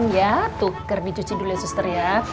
ya tuh kermi cuci dulu ya suster ya